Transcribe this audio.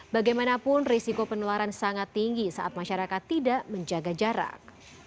bagaimanapun risiko penularan sangat tinggi saat masyarakat tidak menjaga jarak